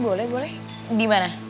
boleh boleh dimana